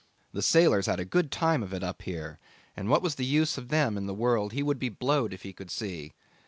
The sailors had a good time of it up here, and what was the use of them in the world he would be blowed if he could see.